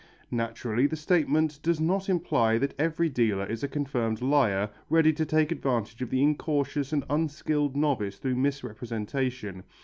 Naturally the statement does not imply that every dealer is a confirmed liar, ready to take advantage of the incautious and unskilled novice through misrepresentation.